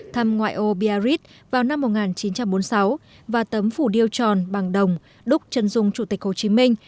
thăm ngoại ô bia vào năm một nghìn chín trăm bốn mươi sáu và tấm phủ điêu tròn bằng đồng đúc chân dung chủ tịch hồ chí minh